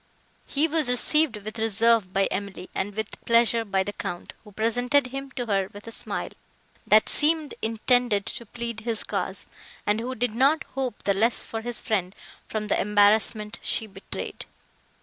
He was received with reserve by Emily, and with pleasure by the Count, who presented him to her with a smile, that seemed intended to plead his cause, and who did not hope the less for his friend, from the embarrassment she betrayed.